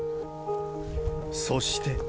そして。